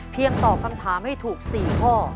เพียงตอบคำถามให้ทุกคน